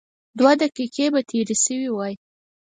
دوه دقيقې به تېرې شوې وای.